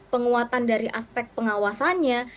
penguatan dari aspek pengawasannya